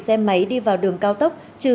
xe máy đi vào đường cao tốc trừ